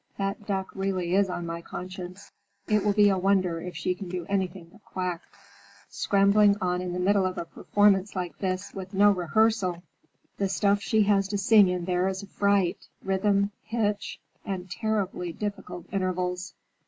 That duck really is on my conscience. It will be a wonder if she can do anything but quack! Scrambling on in the middle of a performance like this, with no rehearsal! The stuff she has to sing in there is a fright—rhythm, pitch,—and terribly difficult intervals."